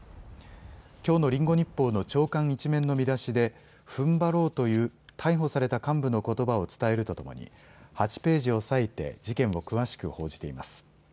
きょうのリンゴ日報の朝刊一面の見出しでふんばろうという逮捕された幹部のことばを伝えるとともに８ページを割いて事件を詳しく報じています。